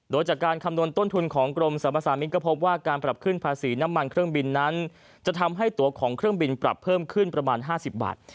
โดยจากการคำนวณต้นทุนของกรมสรรพสามิตรก็พบว่าการปรับขึ้นภาษีน้ำมันเครื่องบินนั้นจะทำให้ตัวของเครื่องบินปรับเพิ่มขึ้นประมาณ๕๐บาท